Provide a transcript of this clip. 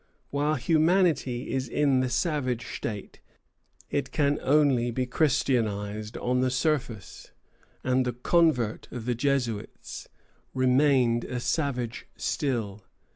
While humanity is in the savage state, it can only be Christianized on the surface; and the convert of the Jesuits remained a savage still.